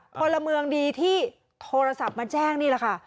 พลเมืองดีที่โทรศัพท์มาแจ้งนี่แหละค่ะ